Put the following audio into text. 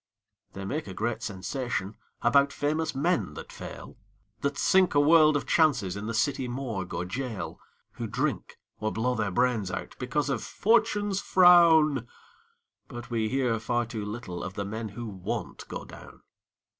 They make a great sensation About famous men that fail, That sink a world of chances In the city morgue or gaol, Who drink, or blow their brains out, Because of "Fortune's frown". But we hear far too little Of the men who won't go down.